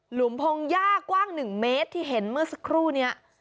หุมพงหญ้ากว้าง๑เมตรที่เห็นเมื่อสักครู่นี้